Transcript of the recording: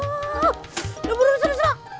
udah buruk serius pak